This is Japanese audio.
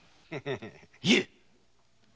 言え！